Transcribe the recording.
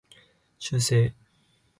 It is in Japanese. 修正